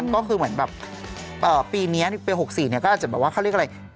ก็คือเหมือนแบบปีนี้ปี๖๔ก็อาจจะแบบว่าเขาเรียกอะไร